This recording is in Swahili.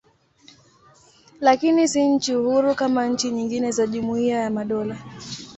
Lakini si nchi huru kama nchi nyingine za Jumuiya ya Madola.